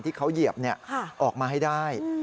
ที่เขาเหยียบออกมาให้ได้